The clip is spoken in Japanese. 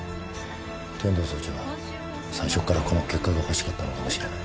天堂総長は最初からこの結果が欲しかったのかもしれない。